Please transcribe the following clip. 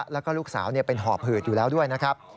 แล้วก็ลูกสาวเป็นหอบหืดอยู่แล้วด้วยนะครับ